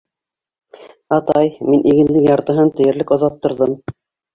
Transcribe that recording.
— Атай, мин игендең яртыһын тиерлек оҙаттырҙым.